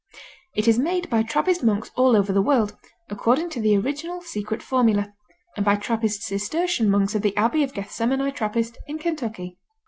It is made by Trappist monks all over the world, according to the original secret formula, and by Trappist Cistercian monks at the Abbey of Gethsemani Trappist in Kentucky.